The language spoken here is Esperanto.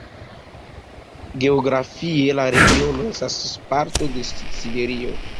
Geografie la regiono estas parto de Siberio.